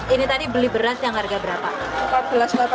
ini tadi beli beras yang harga berapa